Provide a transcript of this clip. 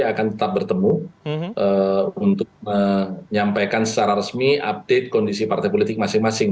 akan tetap bertemu untuk menyampaikan secara resmi update kondisi partai politik masing masing